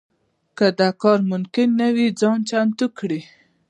که دا کار ممکن نه وي ځان چمتو کړي.